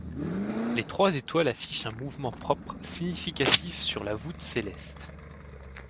Les trois étoiles affichent un mouvement propre significatif sur la voûte céleste.